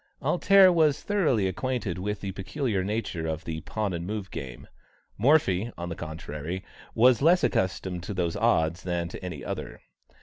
"Alter" was thoroughly acquainted with the peculiar nature of the "pawn and move" game; Morphy, on the contrary, was less accustomed to those odds than to any other.